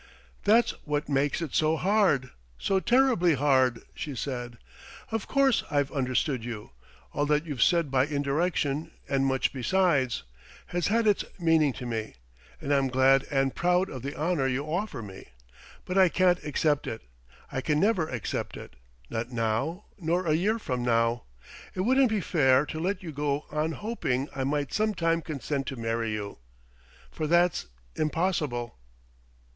"That's what makes it so hard, so terribly hard," she said.... "Of course I've understood you. All that you've said by indirection, and much besides, has had its meaning to me. And I'm glad and proud of the honour you offer me. But I can't accept it; I can never accept it not now nor a year from now. It wouldn't be fair to let you go on hoping I might some time consent to marry you.... For that's impossible."